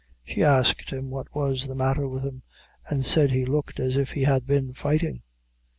She asked him what was the matter with him, and said he looked as if he had been fighting."